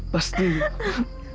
pasti akan berjaya